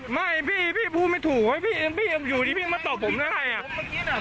ไม่พี่พี่พูดไม่ถูกเพราะว่าพี่อยู่ดีพี่มาตอบผมได้ไง